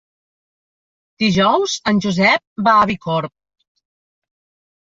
Dijous en Josep va a Bicorb.